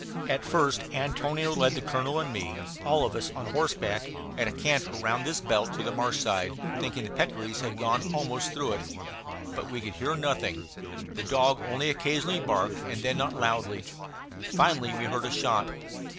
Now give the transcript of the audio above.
At first Antonio led the colonel and me, all of us on horseback, at a canter round this belt to the marsh side, thinking the peccaries had gone almost through it. But we could hear nothing. The dog only occasionally barked, and then not loudly. Finally we heard a shot.